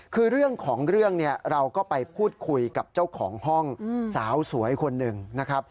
คือเรื่องของเรื่องเนี่ยเราก็ไปพูดคุยกับเจ้าของห้องสาวสวยคนหนึ่งนะครับ